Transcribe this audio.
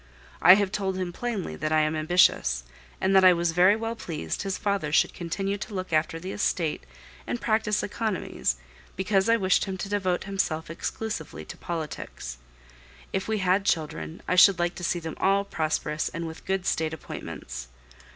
I have told him plainly that I am ambitious, and that I was very well pleased his father should continue to look after the estate and practise economies, because I wished him to devote himself exclusively to politics. If we had children, I should like to see them all prosperous and with good State appointments.